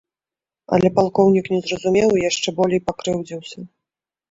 Але палкоўнік не зразумеў і яшчэ болей пакрыўдзіўся.